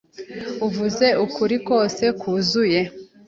Uvuze ukuri rwose kwuzuye.